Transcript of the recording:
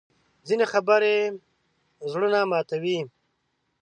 ځینې خبرې زړونه ماتوي